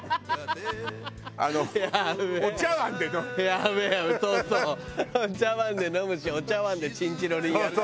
やべえそうそう！お茶碗で飲むしお茶碗でチンチロリンやる。